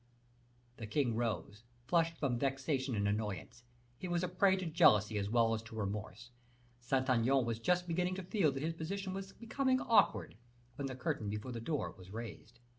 The king rose, flushed from vexation and annoyance; he was a prey to jealousy as well as to remorse. Saint Aignan was just beginning to feel that his position was becoming awkward, when the curtain before the door was raised.